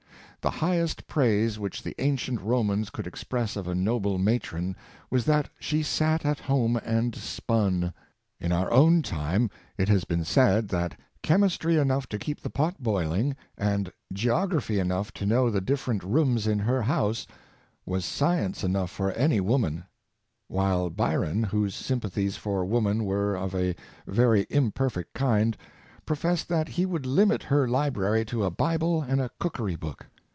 The highest praise which the ancient Romans could^ 8 114 Education of Women. express of a noble matron was that she sat at home and spun. In our own time it has been said that chemistry enough to keep the pot boiling, and geography enough to know the different rooms in her house, was science enough for any woman ; while Byron, whose sympathies for woman Were of a very imperfect kind, professed that he would limit her library to a Bible and a cook ery book.